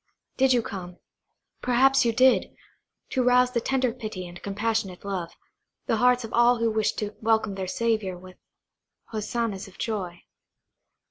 Did you come–perhaps you did!–to rouse to tender pity and compassionate love, the hearts of all who wished to welcome their Saviour with hosannas of joy?